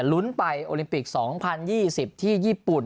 ลุ้นไปโอลิมปิก๒๐๒๐ที่ญี่ปุ่น